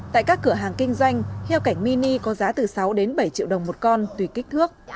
tại các cửa hàng kinh doanh heo cảnh mini có giá từ sáu đến bảy triệu đồng một con tùy kích thước